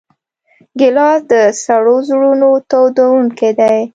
ګیلاس د سړو زړونو تودوونکی دی.